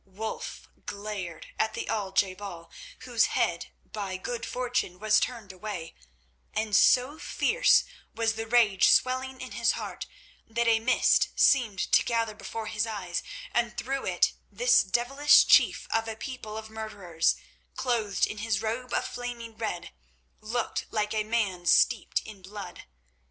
Wulf glared at the Al je bal, whose head by good fortune was turned away, and so fierce was the rage swelling in his heart that a mist seemed to gather before his eyes, and through it this devilish chief of a people of murderers, clothed in his robe of flaming red, looked like a man steeped in blood.